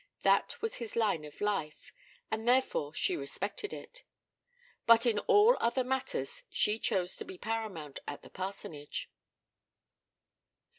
That was his line of life, and therefore she respected it. But in all other matters she chose to be paramount at the parsonage.